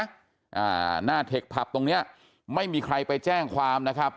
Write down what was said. อ่าหน้าเทคผับตรงเนี้ยไม่มีใครไปแจ้งความนะครับ